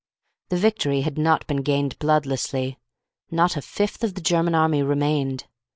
The victory had not been gained bloodlessly. Not a fifth of the German army remained.